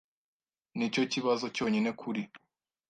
Nicyo kibazo cyonyine kuri .